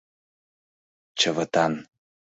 Чывытан.